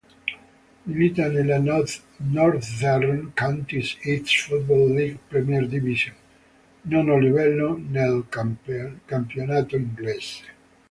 Milita nella "Northern Counties East Football League Premier Division", nono livello del campionato inglese.